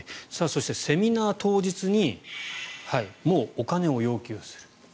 そして、セミナー当日にもうお金を要求する。